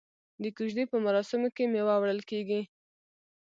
د کوژدې په مراسمو کې میوه وړل کیږي.